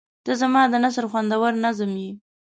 • ته زما د نثر خوندور نظم یې.